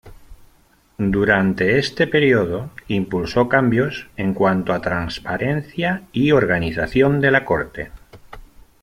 Durante este período, impulsó cambios en cuanto a transparencia y organización de la Corte.